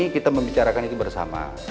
kita membicarakan itu bersama